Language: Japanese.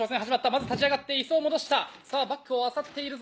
まず立ち上がって椅子を戻したさぁバッグをあさっているぞ。